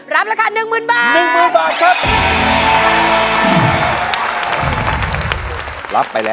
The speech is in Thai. รับแล้วค่ะ๑หมื่นบาท